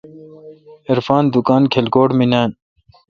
عرفان دکان کھلکوٹ می نان۔